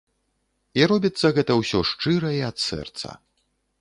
І робіцца гэта ўсё шчыра і ад сэрца.